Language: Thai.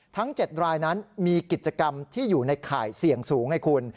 ทั้ง๗รายนั้นมีกิจกรรมที่อยู่ในข่ายเสี่ยงสูงให้คุณ